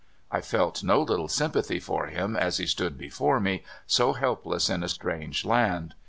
I felt no little sympathy for him as he stood before me, so helpless in a strange land.